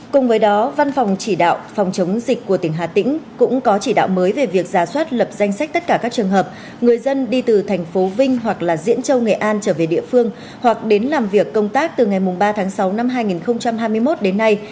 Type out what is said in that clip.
cùng với đó văn phòng chỉ đạo phòng chống dịch của tỉnh hà tĩnh cũng có chỉ đạo mới về việc giả soát lập danh sách tất cả các trường hợp người dân đi từ thành phố vinh hoặc là diễn châu nghệ an trở về địa phương hoặc đến làm việc công tác từ ngày ba tháng sáu năm hai nghìn hai mươi một đến nay